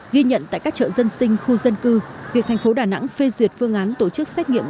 ghi nhận tại các chợ dân sinh khu dân cư việc thành phố đà nẵng phê duyệt phương án tổ chức xét nghiệm